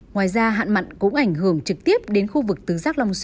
ngoài ra hạn mặn cũng ảnh hưởng trực tiếp đến khu vực tứ giác long xuyên